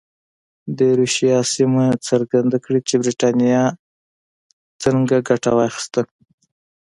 د ایروشیا سیمه څرګنده کړي چې برېټانیا څنګه ګټه واخیسته.